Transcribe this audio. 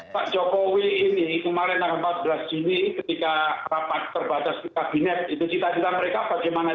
pak jokowi ini kemarin empat belas juni ketika rapat terbatas di kabinet itu cita cita mereka bagaimana caranya bapak presiden yang terhormat itu segera mengaksesia ctc